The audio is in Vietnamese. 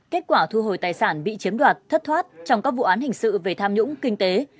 kết quả thu hồi tài sản bị chiếm đoạt thất thoát trong các vụ án hình sự về tham nhũng kinh tế